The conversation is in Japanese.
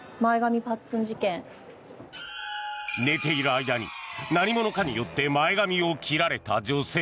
寝ている間に何者かによって前髪を切られた女性。